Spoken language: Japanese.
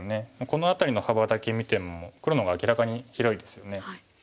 この辺りの幅だけ見ても黒の方が明らかに広いですよね。